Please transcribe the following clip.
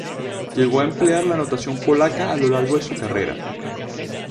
Llegó a emplear la notación polaca a lo largo de su carrera.